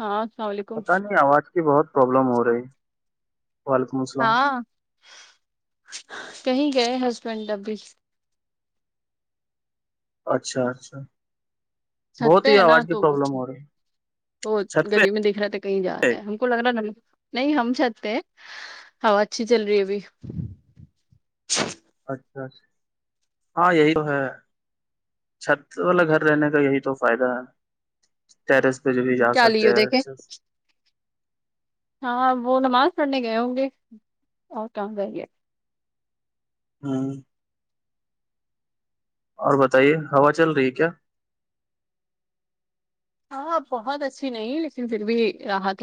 ہاں السلام علیکم پتاہ نہیں آواز کی بہت پرابلم ہو رہی ہے وعلیکم السلام ہاں کہیں گئے ہسبینڈ اب بھی اچھا اچھا چھت بہت پہ ہی ہے نا آواز کی تو پرابلم ہو رہی ہے۔ وہ چھت پہ گلی میں دیکھ رہا تھا کہیں جا رہا ہے ہم کو لگ رہا نہیں ہم چھت ہیں ہوا اچھی چل رہی ہے ابھی اچھاچ ہاں یہی تو ہے چھت والا گھر رہنے کا یہی تو فائدہ ہے ٹیرس جو بھی جا کیا سکتے لی ہو ہیں دیکھے اچھا سے ہاں وہ نماز پڑھنے گئے ہوں گے اور کہاں گئے کی ہاں اور بتائیے ہوا چل رہی ہے کیا ہاں بہت اچھی نہیں لیکن پھر بھی ایک راحت [unintelligible]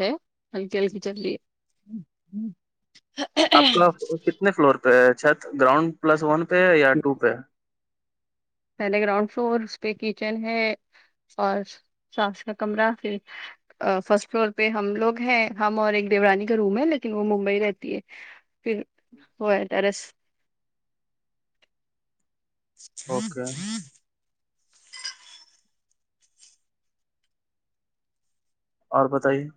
ہےی جلدی جلدی ہ ہوں آپ کا کتنے فلور پہ ہے چھت گراؤنڈ پلس ون پہ یا ٹو پہ پہلے گراؤنڈ فلور اس پہ کچن ہے اور ساس کا کمرہ پھر فرسٹ فلور پہ ہم لوگ ہیں ہم اور ایک دیورانی کا روم ہے لیکن وہ ممبئی رہتی ہے پھر ہود رس اوکے اور بتائیے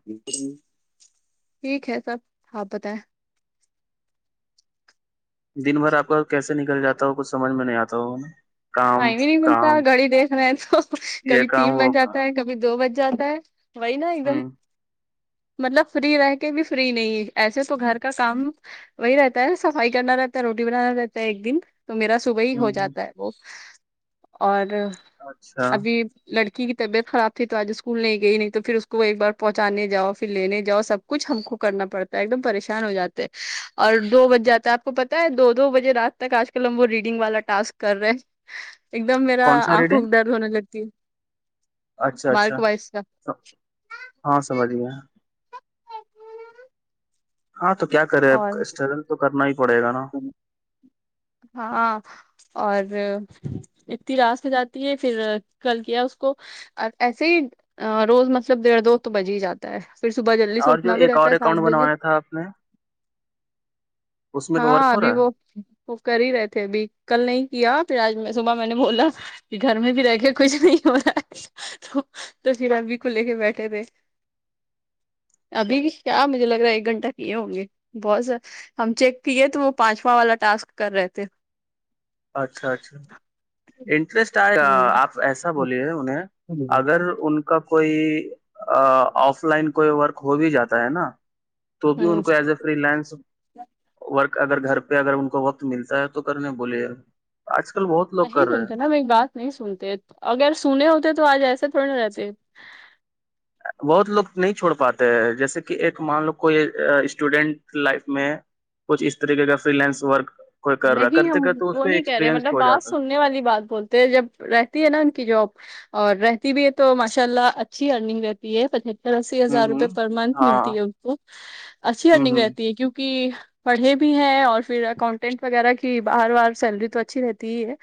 ٹھیک ہے سب آپ بتائیں دن بھر آپ کا کیسے نکل جاتا ہو کچھ سمجھ میں نہیں آتا ہویں ٹائم ہی نہیں ملتا گھڑی دیکھ رہے ہیں تو یہ کبھی کام تین وہ بج جاتا ہے کبھی دو بج جاتا ہے وہی نا ایک دم کام مطلب فری رہ کے بھی فری نہیں ایسے تو گھر کا کام وہی رہتا ہے صفائی کرنا رہتا ہے روٹی بنانا رہتا ہے ایک دن تو میرا س صبح ہی ہ ہو ہ جاتا ہے وہ اور اچھا ابھی لڑکی کی طبیعت خراب تھی تو آج اسکول نہیں گئی نہیں تو پھر اس کو ایک بار پہنچانے جاؤ پھر لینے جاؤ سب کچھ ہم کو کرنا پڑتا ہے ایک دم پریشان ہو جاتے اور دو بج جاتا آپ کو پتہ ہے دو دو بجے رات تک آج کل ہم وہ ریڈنگ والا ٹسک کر رہے ہیں ایک دم میرا کون سا آنکھوں کو ریڈنگ درد ہونے لگتی ہے اچھا اچھا مارک وائز کا ہاں سمجھ گیا ہاں تو کیا کرے اب اور اسٹرگل تو کرنا ہی پڑے گا نا ہاں اور اتنی رات میں جاتی ہے پھر کل کیا اس کو اور ایسے ہی روز مطلب ڈڑھ دو تو بج ہی جاتا ہے پھر صبح جلدی اور جو سوکھنا بھی ایک رہتا اور ہے سات اکاؤنٹ بجے بنوایا تھا آپ نے اس میں تو ورک ہاں ہو ابھی رہا ہے وہ وہ کر ہی رہے تھے ابھی کل نہیں کیا پھر آج میں صبح میں نے بولا گھر میں بھی رہ کے کچھ نہیں ہو رہا تو تو پھر اب بھی کو لے کے بیٹھے تھے ابھی بھی کیا مجھے لگ رہا ہے ایک گھنٹہ کیے ہوں گے بہت س ہم چیک ہے تو وہ پانچواں والا ٹسک کر رہے تھے اچھا اچھا انٹرسٹ آ ہ آپ ایسا بولیے انہیں اگر ان کا کوئی آف لائن کوئی ورک ہو بھی جاتا ہے نا تو بھی ان ہ کو as a freelance work اگر گھر پہ اگر ان کو وقت ملتا ہے تو کرنے بولے آج نہیں سنتے نا میری بات ایک بات نہیں سنتے اگر سنے ہوتے تو آج ایسے تھوڑی نہ رہتے بہت لوگ نہیں چھوڑ پاتے ہیں جیسے کہ ایک مان لو کوئی اسٹوڈینٹ لائف میں کچھ اس طریقے کا فری لینس ورک کوئی کر رہا نہیں ہم کرتے کرتے اس وہ میں نہیں کہہ رہے ایکسپریئنسڈ مطلب ہو بات جاتا ہے سننے والی بات بولتے ہیں جب رہتی ہے نا ان کی جاب اور رہتی بھی ہے تو ماشاء اللہ اچھی ارنگ رہتی ہے اسسی ہوں ہزار ہوں روپئے پر منتھ ہاں ملتی ہے ان کو اچھی ہوں ہرننگ ہوں رہتی ہے کیونکہ پڑھے بھی ہیں اور پھر اکاؤنٹینٹ وغیرہ کی بار بار سیلری تو اچھی رہتی ہے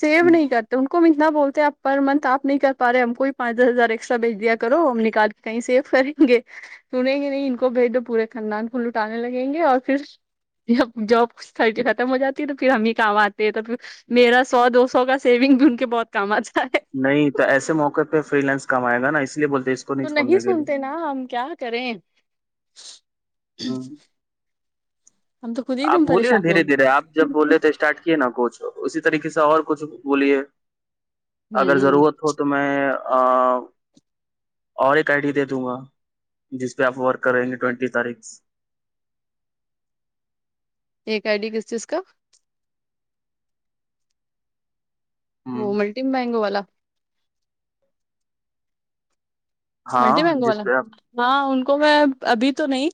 سیو ہ نہیں کرتے تو ان کو ہم اتنا بولتے ہیں آپ پر منت آپ نہیں کر پاے ہم کو پانچ دس ہزار ایکسٹرا بھیج دیا کرو ہم نکال کے کہیں سے کریں گے سنیںگں نہیں ان کو بھیج دو پورے خندان کو لٹانے لگیں گے اور پھر ج جاب تھرٹی ختم ہو جاتی ہے تو پھر ہم ہی کام آتے ہیں تو پھر میرا سو دو سو کا سیونگ بھی ان کے بہت کام آجائے نہیں تو ایسے موقع پہ فری لینس کام آئے گا اس لیے بولتے ہیں اس کو تو نہیں چھوڑنے کے لیے سنتے نا ہم کیا کریں ہ ہوں آپ دم بولیے نا پریشان ہو دھیرے دھیرے آپ جب بولے تھے اسٹارٹ کیے نا کچھ اسی طریقے سے اور کچھ بلیے گئے اگر ہوں ضرورت ہو تو میں اور ایک آئی ڈی دے دوں گا جس پہ آپ ورک کریں گے ٹوینٹی تاریخ ایک آئی ڈی کس چیز کا وہ ہوں ملٹی مینگو والا ہاں ملٹی مینگو جس والا پہ آپ ہاں ان کو میں ابھی تو نہیں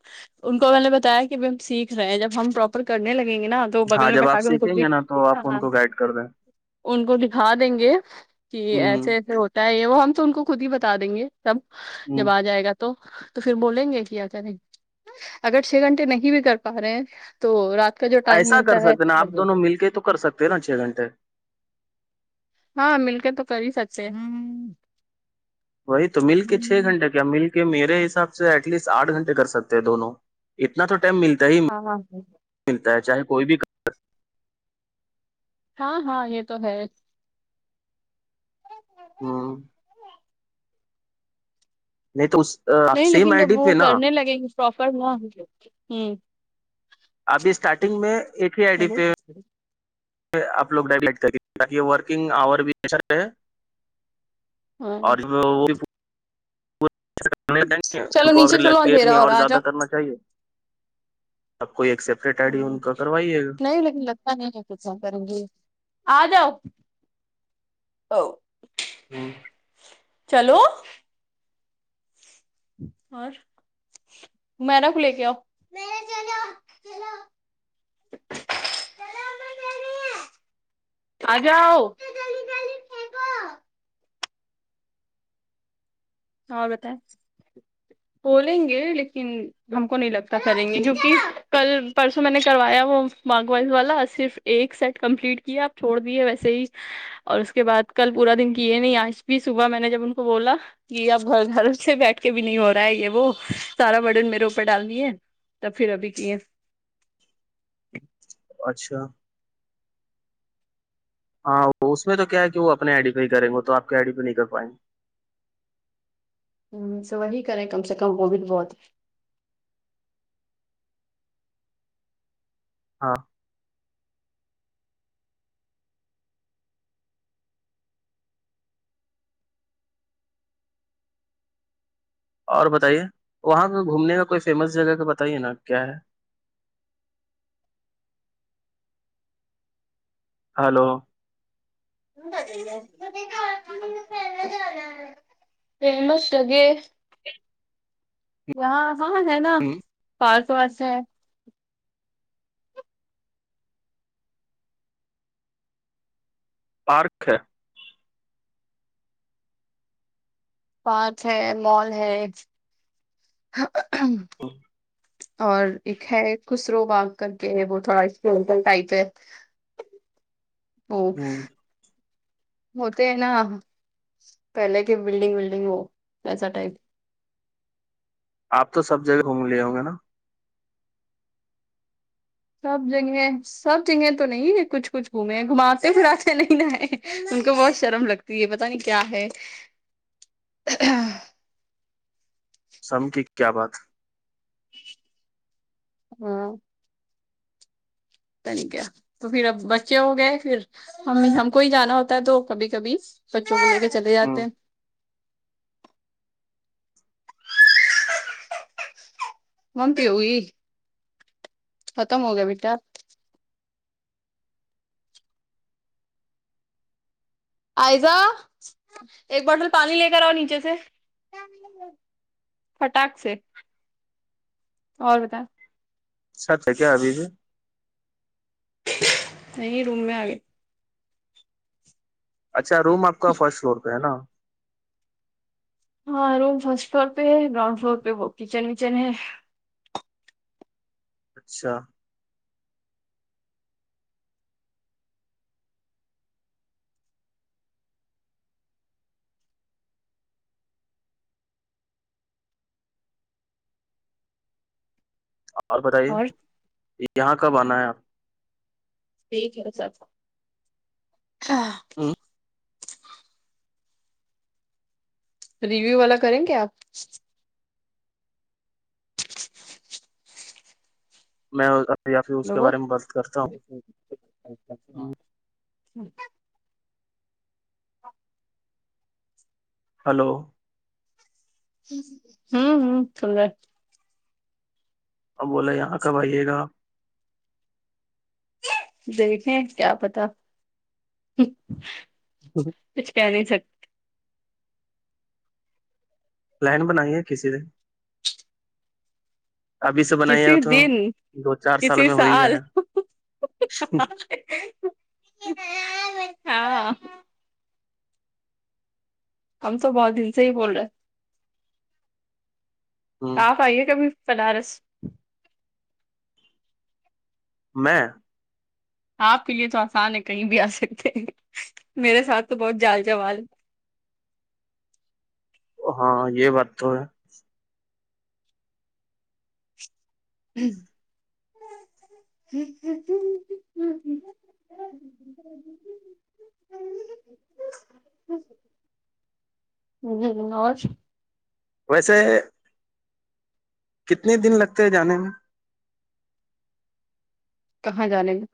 ان کو میں نے بتایا کہ ہم سیکھ رہے ہیں جب ہم پراپر کرنے لگیں گے نا تو بغل ہاں میں جب بیٹھا آپ کے ان کو سیکھیں بھی گے نا تو آپ ان ہاں کو گائڈ کر دیں ان کو دیکھا دیں گے کہ ہ ایسے ایسے ہوتے یہ وہ ہم تو ان کو خود ہی بتا دیں گے سب ہ جب آ جائے گا تو تو پھر بولیں گے کیا کریں اگر چھ گھنٹے نہیں بھی کر پا رہے ہیں تو رات کا جو ٹائم ایسا کر ملتا ہے سکتے نا آپ دونوں مل کے تو کر سکتے دے نہ چھ گھنٹے ہاں مل کے تو کر ہی سکتے ہ وہی تو مل کے چھ گھنٹے مل کے میرے حساب سے ایٹ لیسٹ آٹھ گھنٹے کر سکتے ہیں دونوں اتنا تو ٹائم ملتا ہی ہاں ہاں ہاں ملتا ہے چاہے کوئی بھی ہاں ہاں یہ تو ہے ہاں نہیں تو اس آپ سیم آئی ڈی تھ ہے نا پرفر نہ ہ ابھی اسٹارٹنگ میں ایک ہی آئی ڈی ہیلو پہ آپ لوگ ڈائیوٹ کریںے تاک یہ ورکنگ آور بھی اھا رہ ہاں اور وہ دیں گے ان چلو کو ا نیچے چلو لگے بھی اندھیرا نہیں ہو اور رہا آ زیادہ جاؤ کرنا چاہ ہیے آپ کو ایک سیپریٹ آئی ڈی ان ہوں کا کروائیے گا نہیں لیکن لگتا نہیں ہے کچھا کروں گی آ جاؤ ا ہاں چلو اور میںنا کو لے کے آؤ مینا چلو چلو آ جاؤ اور بتائے بولیں گے لیکن ہم کو نہیں لگتا کریں گے کیوںکہ کل پرسوں میں نے کروایا وہ باگ واس والا صرف ایک سیٹ کمپلیٹ کیا آپ چھوڑ دیے ویسے ہی اور اس کے بعد کل پورا دن کیے نہیں آج بھی صبح میں نے جب ان کو بولا یہ اب گھر گھر سے بیٹھ کے بھی نہیں ہو رہا ہے یہ وہ سارا برتن میرے اوپر ڈالنی ہے تب پھر ابھی کیے اچھا ہاں اس میں تو کیا کہ وہ اپنے آئی ڈیفائی کریں گے تو آپ آئی ڈیفی نہیں کر پائیں گے ہ تو وہی کریں کم سے کم وہ بھی بہت ہاں اور بتائیے وہاں پہ گھومنے کا کوئی فیمس جگہ کا بتائیے نا کیا ہے ہیلو ب جا ہے فیمس جگہ یہاں ہاں ہے نا ہوں، پارک واس ہے پارک ہے پارک ہے مال ہے اور ایک ہے خسرو باگ کرکے وہ تھوڑا ایک پٹل ٹائپ ہے ہوں ہ ہوتے ہیں نا پہلے کے بلڈنگ ولڈنگ وہ ایسا ٹائپ آپ تو سب جگہ گھوم لیے ہوں گے ناں سب جگہ میں سب جگہ تو نہیں کچھ کچھ گھومے گھماتے پھراتے نہیں نا ہے ان کو بہت شرم لگتا یہ پتا نہیں کیا ہے سرم کی کیا بات ہاں پتہ نہیں کیا تو پھر اب بچے ہو گئے پھر ہم ہم کو ہی جانا ہوتا ہے تو کبھی کبھی بچوں کو لے کے چلے ہ جاتے ہیں مم پیوگی ختم ہو گیا بیٹا آئزہ ایک بوٹل پانی لے کر آؤ نیچے سے فٹاک سے اور بتائیں سچ ہے کیا ابھی بھی نہیں روم میں آ گئے اچھا روم آپ کا فرسٹ فلور پہ ہے نا ہاں روم فرسٹ فلور پہ ہے گراؤنڈ فلور پہ وہ کچن وچن ہے اچھا اور بتائیے یہاں کب آنا ہے آپ ٹھیک ہے سب ہاں ہوں، ریویو والا کریں گے آپ میں یا پھر اس کے لوگوں بارے میں بات کرتا ہوں ہاں ہیلو ہوں ہوں سن رہے اب بولے یہاں کب آئیے گا دیکھیں کیا پتا [unintelligible] کچھ کہہ نہیں سکتے پلان بنائیے کسی دن ابھی سے بنائی کسی ہے تو دن دو چار کسی میں ہو ہی سال جائے ہاں ہم تو بہت دن سے ہی بول رہے ہ آپ آئیے کبھی بنارس میں آپ کے لیے تو آسان ہے کہیں بھی آ سکتے میرے ساتھ تو بہت جال جوال ہاں یہ بات تو ہے ہم ہمم ہمم [unintelligible] جی جی اور ویسے کتنے دن لگتے ہیں جانے میں کہاں جانے میں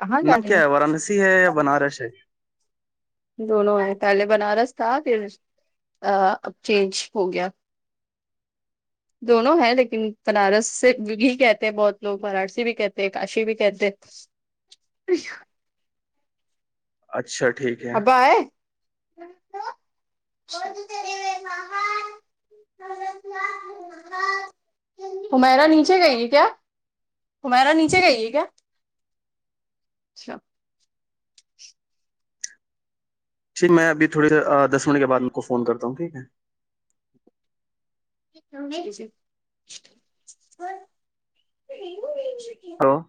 کہاں نام جانے کیا میں ہے وارانسی ہے یا بنارس ہے دونوں ہیں پہلے بنارس تھا پھر آ اب چینج ہو گیا دونوں ہیں لیکن بنارس سے بھی کہتے ہیں بہت لوگ وارانسی بھی کہتے ہیں کاشی بھی کہتے [unintelligible] اچھا ٹھیک ہے ابا اے کون چلے گئے باہر [unintelligible] حمیرا نیچے گئی ہے کیا حمیرا نیچے گئی ہے کیا اچھا ٹھیک میں ابہی تھوڑی اا دس منٹ کے بعد انکو فون کرتا ہوں ٹھیک ہے [unintelligible] ہلو